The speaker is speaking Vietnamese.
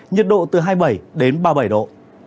nhiệt độ từ hai mươi bảy đến ba mươi bảy độ